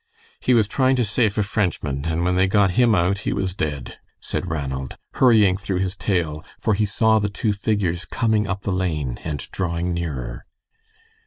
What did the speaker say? "He was trying to save a Frenchman, and when they got him out he was dead," said Ranald, hurrying through his tale, for he saw the two figures coming up the lane and drawing nearer.